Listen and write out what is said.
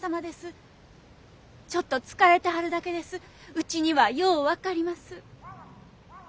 うちにはよう分かります。